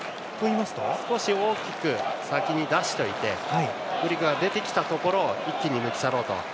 少し大きく先に出してグリクが出てきたところを一気に抜き去ろうと。